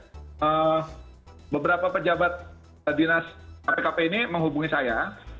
jadi beberapa pejabat dinas kpkp ini menghubungi saya